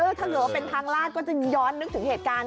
ถ้าเกิดว่าเป็นทางลาดก็จะย้อนนึกถึงเหตุการณ์